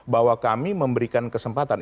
bahwa kami memberikan kesempatan